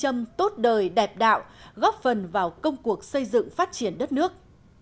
hướng mọi phật sự theo phương châm tốt đời đẹp đạo góp phần vào công cuộc xây dựng phát triển đất nước